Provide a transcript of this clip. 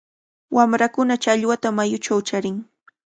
Wamrakuna challwata mayuchaw charin.